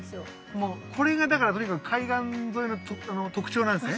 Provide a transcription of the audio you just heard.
これがだからとにかく海岸沿いの特徴なんですね。